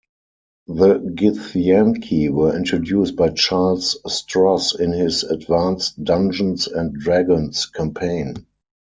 The githyanki were introduced by Charles Stross in his "Advanced Dungeons and Dragons" campaign.